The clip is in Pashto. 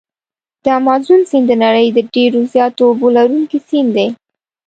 د مازون سیند د نړۍ د ډېر زیاتو اوبو لرونکي سیند دی.